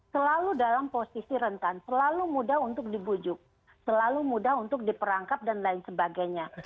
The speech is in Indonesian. selalu dalam posisi rentan selalu mudah untuk dibujuk selalu mudah untuk diperangkap dan lain sebagainya